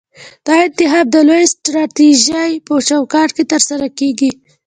دا انتخاب د لویې سټراټیژۍ په چوکاټ کې ترسره کیږي.